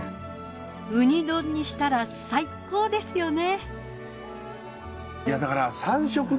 ウニ丼にしたら最高ですよね。